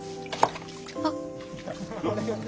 あっ。